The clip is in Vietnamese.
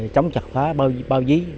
chống chặt phá bao dí